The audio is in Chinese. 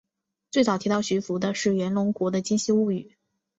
最早提到徐福的是源隆国的今昔物语。